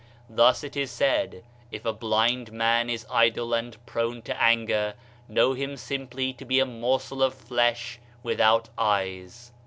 Thus it is said: "If a blind man is !dle and prone to anger: Know him simply to be a morsel of flesh without eyes."